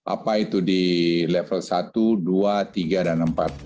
apa itu di level satu dua tiga dan empat